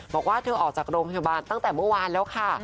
บอกว่าเธอออกจากโรงพยาบาลตั้งแต่เมื่อวานแล้วค่ะ